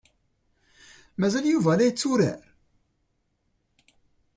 Mazal Yuba la yetturar?